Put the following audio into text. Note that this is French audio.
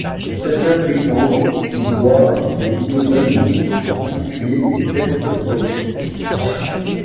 Certains prétendent y voir des figures d'animaux, en particulier des têtes de coq.